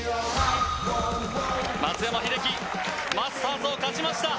松山英樹、マスターズを勝ちました。